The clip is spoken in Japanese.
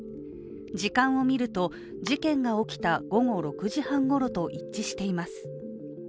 時間を見ると、事件が起きた午後６時半ごろと一致しています。